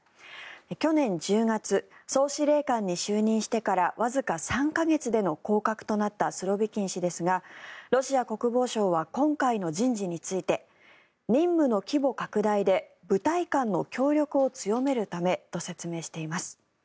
去年１０月総司令官に就任してからわずか３か月での降格となったスロビキン氏ですがロシア国防省は今回の人事について任務の規模拡大で部隊間の協力を強めるためと説明しています。